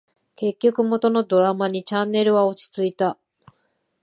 結局、元のドラマにチャンネルは落ち着いた